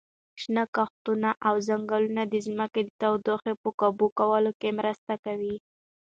شنه کښتونه او ځنګلونه د ځمکې د تودوخې په کابو کولو کې مرسته کوي.